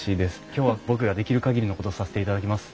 今日は僕ができる限りのことをさせていただきます。